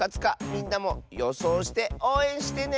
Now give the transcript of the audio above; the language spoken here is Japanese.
みんなもよそうしておうえんしてね！